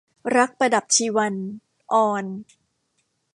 รักประดับชีวัน - อร